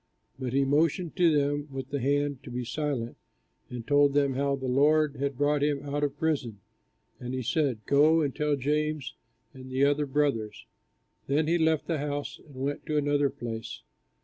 But he motioned to them with the hand to be silent, and told them how the Lord had brought him out of prison. And he said, "Go and tell James and the other brothers." Then he left the house and went to another place.